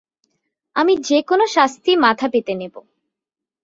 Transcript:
আমি যেকোনো শাস্তি মাথা পেতে নেব।